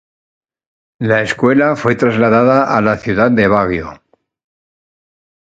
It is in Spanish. La escuela fue trasladada a la ciudad de Baguio.